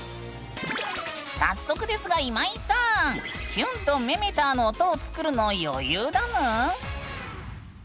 早速ですが今井さん「キュン」と「メメタァ」の音を作るの余裕だぬん？